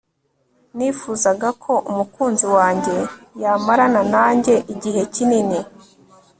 nifuzaga ko umukunzi wanjye yamarana nanjye igihe kinini